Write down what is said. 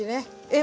え